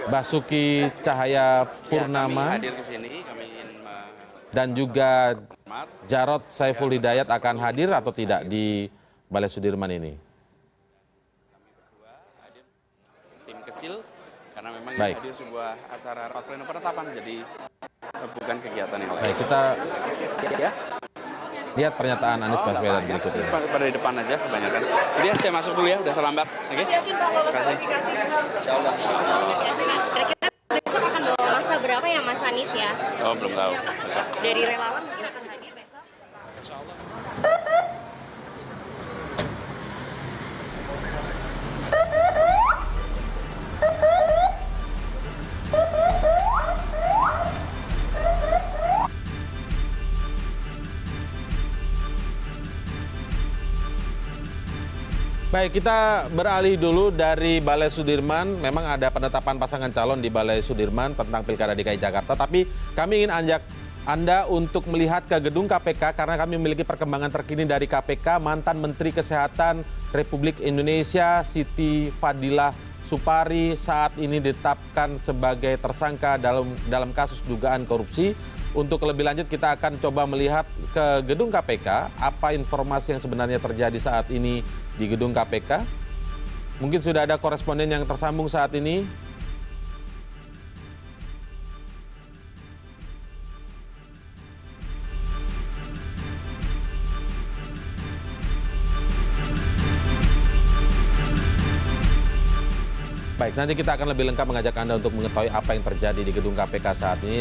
baik nanti kita akan lebih lengkap mengajak anda untuk mengetahui apa yang terjadi di gedung kpk saat ini